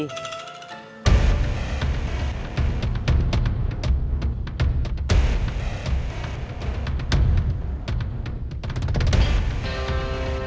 surayam surayam surayam